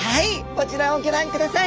こちらをギョ覧ください！